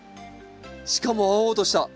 しかも青々とした。